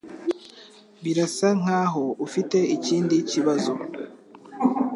Birasa nkaho ufite ikindi kibazo.